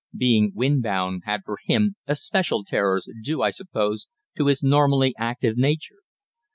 Being windbound had for him especial terrors, due, I suppose, to his normally active nature.